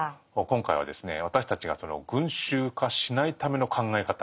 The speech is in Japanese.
今回はですね私たちが群衆化しないための考え方